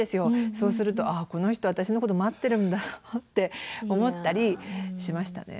そうすると「あこの人私のこと待ってるんだな」って思ったりしましたね。